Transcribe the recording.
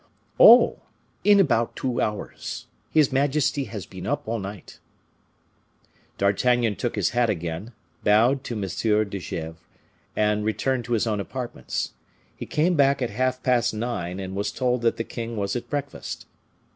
"Oh! in about two hours; his majesty has been up all night." D'Artagnan took his hat again, bowed to M. de Gesvres, and returned to his own apartments. He came back at half past nine, and was told that the king was at breakfast.